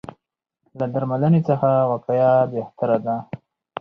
له درملنې څخه وقایه بهتره ده.